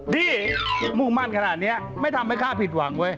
ที่มุ่งมั่นขนาดนี้ไม่ทำให้ข้าผิดหวังเว้ย